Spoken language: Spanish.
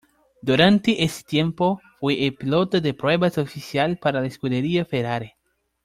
Durante ese tiempo fue el piloto de pruebas oficial para la Scuderia Ferrari.